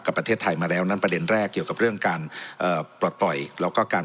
ประเทศไทยมาแล้วนั้นประเด็นแรกเกี่ยวกับเรื่องการเอ่อปลดปล่อยแล้วก็การ